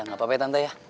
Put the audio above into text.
nggak apa apa ya tante ya